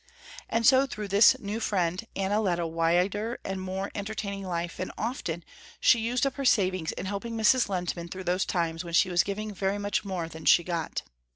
And so through this new friend Anna led a wider and more entertaining life, and often she used up her savings in helping Mrs. Lehntman through those times when she was giving very much more than she got.